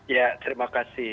ya terima kasih